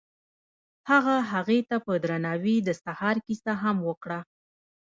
هغه هغې ته په درناوي د سهار کیسه هم وکړه.